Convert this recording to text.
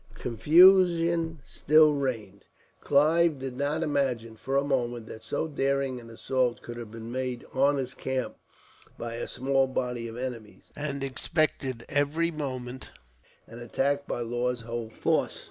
Confusion still reigned. Clive did not imagine, for a moment, that so daring an assault could have been made on his camp by a small body of enemies, and expected every moment an attack by Law's whole force.